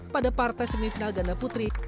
pada partai semifinal ganda putri